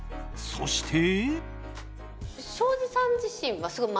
そして。